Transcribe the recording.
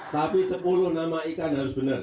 tapi sepuluh nama ikan harus benar